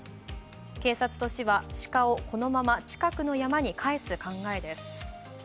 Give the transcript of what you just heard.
警察と市は鹿をこのまま近くの山に帰す考えです。